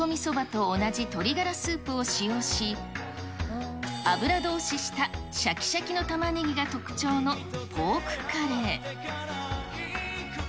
鶏煮込みそばと同じ鶏がらスープを使用し、油通ししたしゃきしゃきのたまねぎが特徴のポークカレー。